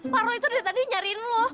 pak roy itu dari tadi nyariin lo